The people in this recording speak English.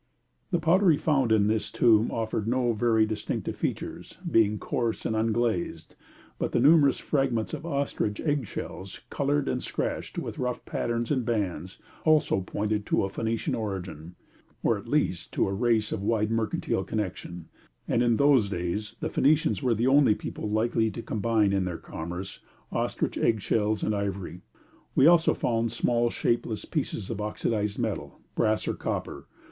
The pottery found in this tomb offered no very distinctive features, being coarse and unglazed, but the numerous fragments of ostrich egg shells, coloured and scratched with rough patterns in bands, also pointed to a Phoenician origin, or at least to a race of wide mercantile connection: and in those days the Phoenicians were the only people likely to combine in their commerce ostrich egg shells and ivory. We also found small shapeless pieces of oxidised metal, brass or copper.